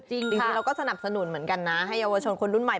จริงเราก็สนับสนุนเหมือนกันนะให้เยาวชนคนรุ่นใหม่